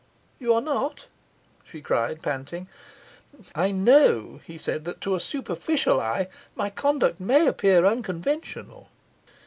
'You are not!' she cried, panting. 'I know,' he said, 'that to a superficial eye my conduct may appear unconventional.